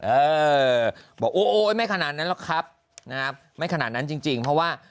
เออบอกโอ๊ยไม่ขนาดนั้นหรอกครับนะฮะไม่ขนาดนั้นจริงจริงเพราะว่า